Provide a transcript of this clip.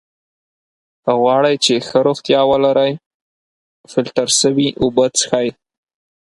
که غواړی چې ښه روغتیا ولری ! فلټر سوي اوبه څښئ!